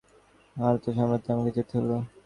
আর তা সামলাতে আমাকে যেতে হলো।